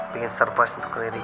pingin surprise untuk riri